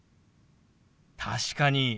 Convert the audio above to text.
確かに。